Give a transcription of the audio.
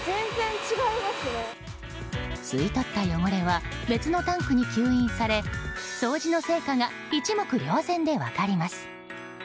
吸い取った汚れは別のタンクに吸引され掃除の成果が一目瞭然で分かります。